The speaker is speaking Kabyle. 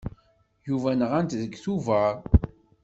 Yuba nɣan-t deg Tubeṛ.